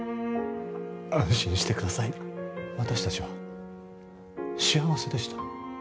安心してください、私たちは幸せでした。